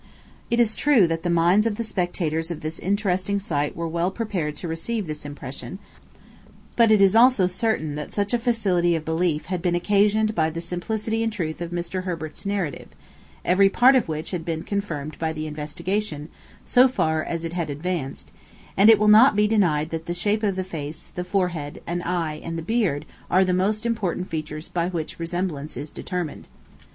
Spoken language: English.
It is true that the minds of the spectators of this interesting sight were well prepared to receive this impression; but it is also certain that such a facility of belief had been occasioned by the simplicity and truth of Mr. Herbert's narrative, every part of which had been confirmed by the investigation, so far as it had advanced; and it will not be denied that the shape of the face, the forehead, an eye, and the beard, are the most important features by which resemblance is determined.